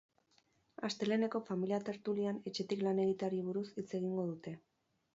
Asteleheneko familia tertulian etxetik lan egiteari buruz hitz egingo dute.